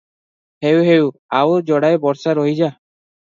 ହେଉ ହେଉ ଆଉ ଯୋଡ଼ାଏ ବର୍ଷ ରହିଯା?